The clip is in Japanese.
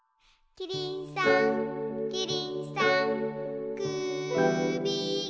「キリンさんキリンさん」